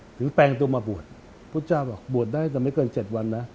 แปลงตัวมาบวชพุทธเจ้าบอกบวชได้แต่ไม่เกิน๗วันนะ